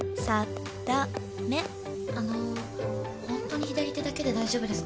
あのホントに左手だけで大丈夫ですか？